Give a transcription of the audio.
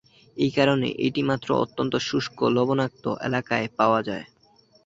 এ কারণে এটি মাত্র অত্যন্ত শুষ্ক লবণাক্ত এলাকায় পাওয়া যায়।